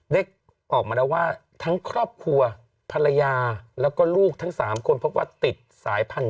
เล็กออกมาแล้วว่าทั้งครอบครัวภรรยาแล้วก็ลูกทั้งสามคนเพราะว่าติดสายพัน